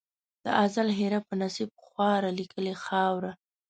د ازل هېره په نصیب خواره لیکلې خاوره